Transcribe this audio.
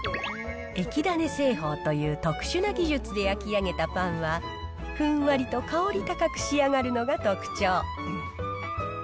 液種製法という特殊な技術で焼き上げたパンは、ふんわりと香り高く仕上がるのが特徴。